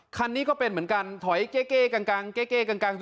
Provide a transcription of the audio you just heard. คันนี้ก็เป็นเหมือนกันถอยเก๊กัง